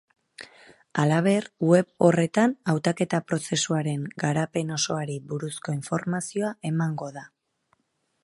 Halaber, web horretan hautaketa-prozesuaren garapen osoari buruzko informazioa emango da.